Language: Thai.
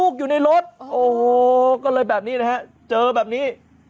ก็เลยแบบนี้นะฮะเจอแบบนี้